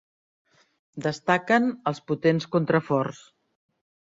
Destaquen els potents contraforts.